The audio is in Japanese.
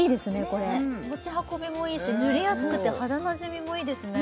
これ持ち運びもいいし塗りやすくて肌なじみもいいですね